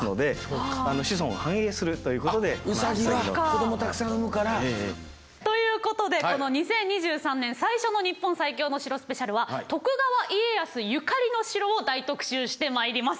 あっウサギは子どもたくさん産むから。ということでこの２０２３年最初の「日本最強の城スペシャル」は徳川家康ゆかりの城を大特集してまいります。